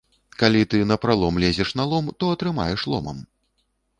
Калі ты напралом лезеш на лом, то атрымаеш ломам.